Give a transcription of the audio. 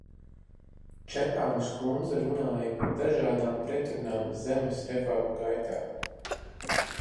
Čepānes kundze runāja par dažādām pretrunām zemes reformas gaitā.